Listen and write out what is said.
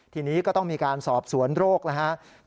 ทีนี้ก็ต้องมีการสอบสวนโรคแล้วครับ